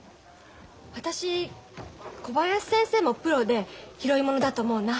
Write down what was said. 私小林先生もプロで拾いものだと思うな。